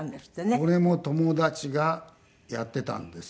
これも友達がやっていたんですよ